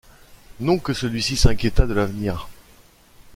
Non que celui-ci s’inquiétât de l’avenir!